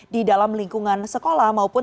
di dalam lingkungan sekolah maupun